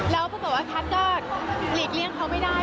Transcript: แล้วปรากฏว่าแพทย์ก็หลีกเลี่ยงเขาไม่ได้